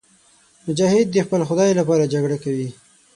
مجاهد د خپل خدای لپاره جګړه کوي.